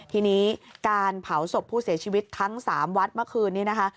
ทีนี้การเผาศพผู้เสียชีวิตทั้ง๓วัดเมื่อคืนนี้นะคะ